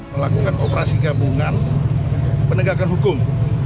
melakukan operasi gabungan penegakan hukum